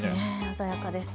鮮やかです。